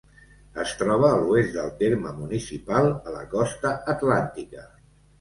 Es troba a l'oest del terme municipal, a la costa atlàntica.